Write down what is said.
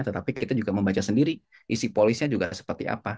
tetapi kita juga membaca sendiri isi polisnya juga seperti apa